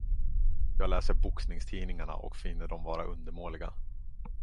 Jag läser boxningstidningarna och finner dem vara undermåliga.